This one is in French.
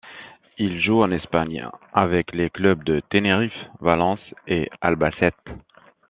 Il joue en Espagne avec les clubs de Tenerife, Valence et Albacete.